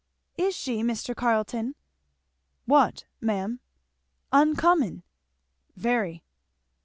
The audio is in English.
"Is she, Mr. Carleton?" "What, ma'am?" "Uncommon?" "Very."